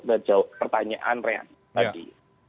ke pertanyaan real tadi